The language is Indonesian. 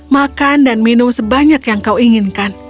makan dan minum sebanyak yang kau inginkan